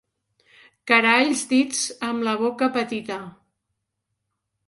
Caralls dits amb la boca petita.